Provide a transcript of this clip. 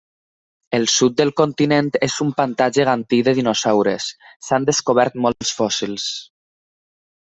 El sud del continent és un pantà gegantí de dinosaures: s'han descobert molts fòssils.